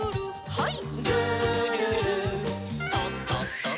はい。